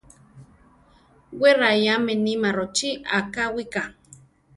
Wé raiáme níma rochí akáwika.